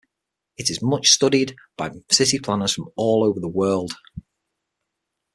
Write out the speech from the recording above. It is much studied by city planners from all over the world.